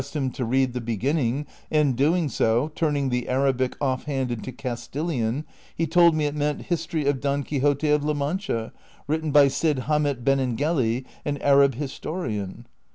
With this idea I pressed him to read the beginning, and doing so, turning the Arabic offhand into C'astilian, he told me it meant, '■'History of Don Quixote of La Mancha, a ritten by Cid Hamet Beaengeli^ an Arab historian.''